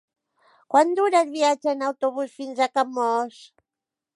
Quant dura el viatge en autobús fins a Camós?